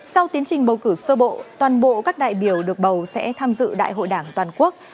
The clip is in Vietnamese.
sau tiến trình bầu cử sơ bộ toàn bộ các đại biểu được bầu sẽ tham dự đại hội đảng toàn quốc